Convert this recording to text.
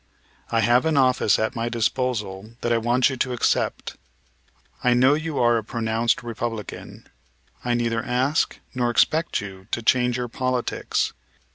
I have an office at my disposal that I want you to accept. I know you are a pronounced Republican. I neither ask nor expect you to change your politics.